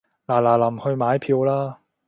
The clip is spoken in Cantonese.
嗱嗱臨去買票啦